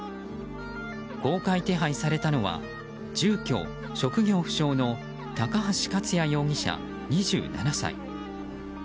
公開手配されたのは住居・職業不詳の高橋勝也容疑者、２７歳。